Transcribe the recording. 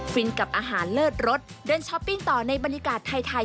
ฟินกับอาหารเลิศรสเดินช้อปปิ้งต่อในบรรยากาศไทย